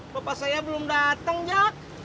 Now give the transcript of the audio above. bapak saya belum datang jak